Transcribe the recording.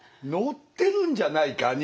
載ってるんじゃないか？